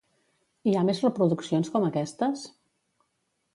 Hi ha més reproduccions com aquestes?